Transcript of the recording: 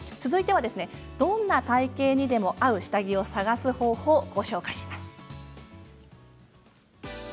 続いてはどんな体型にでも合う下着を探す方法を